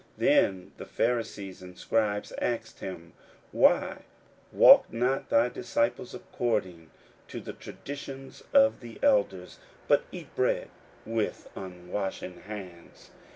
41:007:005 Then the Pharisees and scribes asked him, Why walk not thy disciples according to the tradition of the elders, but eat bread with unwashen hands?